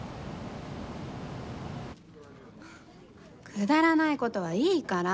くだらない事はいいから！